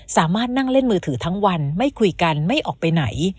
สามารถนั่งเล่นมือถือทั้งวันไม่คุยกันไม่ออกไปไหน